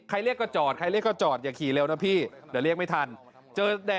ขายเรียกกระจอด